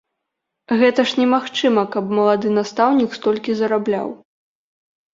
Гэта ж немагчыма, каб малады настаўнік столькі зарабляў!